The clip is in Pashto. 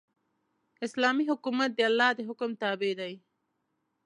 اسلامي حکومت د الله د حکم تابع دی.